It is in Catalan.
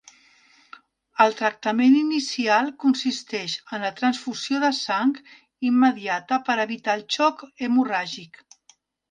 El tractament inicial consisteix en la transfusió de sang immediata per evitar el xoc hemorràgic.